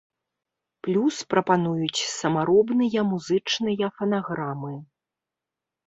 Плюс прапануюць самаробныя музычныя фанаграмы.